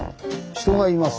人がいます。